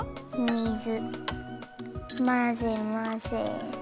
水まぜまぜ。